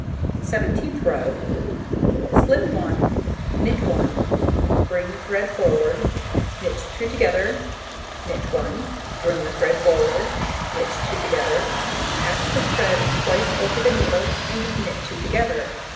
Seventeenth row: Slip 1, knit 1, bring the thread forward, knit 2 together, knit 1, bring the thread forward, knit 2 together, pass the thread twice over the needle, and knit 2 together.